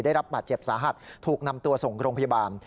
ได้รับบาดเจ็บสาหัสถูกนำตัวส่งโรงพยาบาล